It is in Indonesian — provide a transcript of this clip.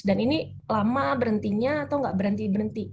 dan ini lama berhentinya atau nggak berhenti berhenti